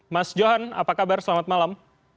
mas johan apa kabar selamat malam